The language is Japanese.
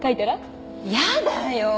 やだよ！